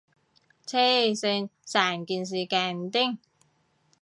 黐線，成件事勁癲